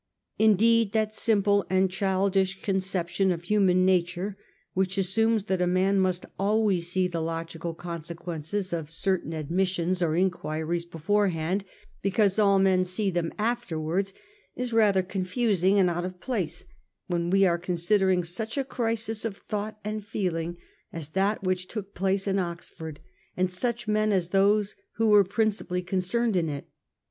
Indeed, that simple and childish con ception. of human nature which assumes that a man must always see the logical' consequences of certain 1841. THE MOVEMENT IN SCOTLAND. 215 admissions or inquiries beforehand, because all men can see them afterwards, is rather confusing and out of place when we are considering such a crisis of thought and feeling as that which took place in Oxford, and such men as those who were principally concerned in it.